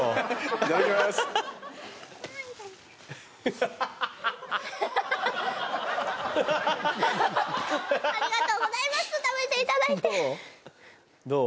いただきまーすありがとうございます食べていただいてどう？